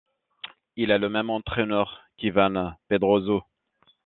Il a le même entraîneur qu'Iván Pedroso.